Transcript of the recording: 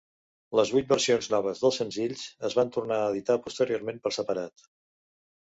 Les vuit versions noves dels senzills es van tornar a editar posteriorment per separat.